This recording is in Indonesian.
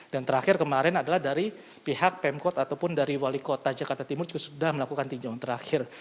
dan terakhir kemarin adalah dari pihak pemkot ataupun dari wali kota jakarta timur juga sudah melakukan tinjauan terakhir